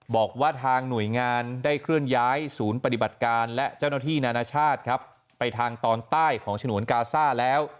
บอกว่าทางหน่วยงานได้เคลื่อนย้ายศูนย์ปฏิบัติการและเจ้าหน้าที่นานาชาติครับไปทางตอนใต้ของฉนวนกาซ่าแล้ว